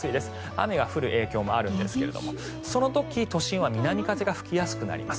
雨が降る影響もあるんですがその時、都心は南風が吹きやすくなります。